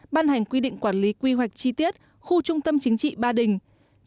ban hành quy định quản lý quy hoạch chi tiết khu trung tâm chính trị ba đình